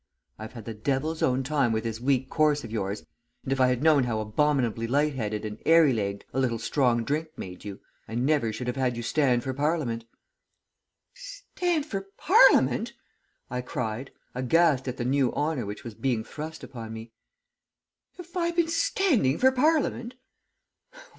I've had the devil's own time with this weak corse of yours, and if I had known how abominably light headed and airy legged a little strong drink made you, I never should have had you stand for Parliament ' "'Stand for Parliament?' I cried, aghast at the new honour which was being thrust upon me. 'Have I been standing for Parliament?'